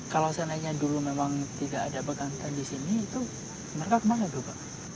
kalau saya nanya dulu memang tidak ada bekantan disini itu mereka kemana dulu pak